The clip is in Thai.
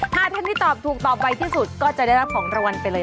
ถ้าท่านที่ตอบถูกตอบไวที่สุดก็จะได้รับของรางวัลไปเลย